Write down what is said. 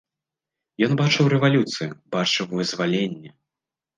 Ён бачыў рэвалюцыю, бачыў вызваленне.